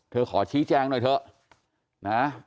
ขอชี้แจงหน่อยเถอะนะ